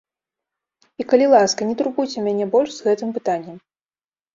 І, калі ласка, не турбуйце мяне больш з гэтым пытаннем.